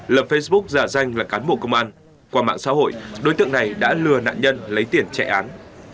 lập facebook giả danh là cán bộ công an qua mạng xã hội đối tượng này đã lừa nạn nhân lấy tiền trẻ án